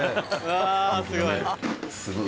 うわすごい。